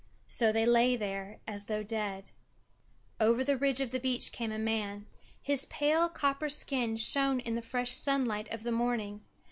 So they lay there, as though dead. Over the ridge of the beach came a man. His pale copper skin shone in the fresh sunlight of the morning.